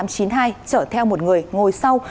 chở theo một người ngồi sau